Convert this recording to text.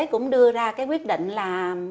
bộ y tế cũng đưa ra cái quyết định là